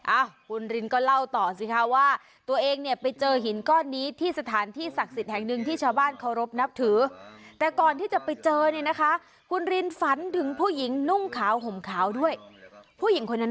อ้าวคุณรินก็เล่าต่อสิค่ะว่าตัวเองไปเจอหินก้อนนี้